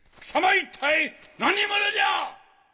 一体何者じゃ！